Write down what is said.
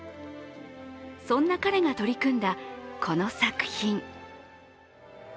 そんな彼が取り組んだこの作品。